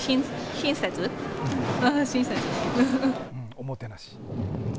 おもてなし。